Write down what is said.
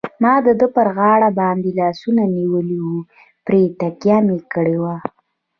ما د ده پر غاړه باندې لاسونه نیولي وو، پرې تکیه مې کړې وه.